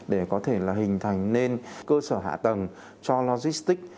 để có thể là hình thành nên cơ sở hạ tầng cho logistics